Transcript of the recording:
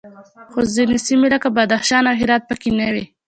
خو ځینې سیمې لکه بدخشان او هرات پکې نه وې